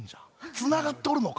つながっとるのか？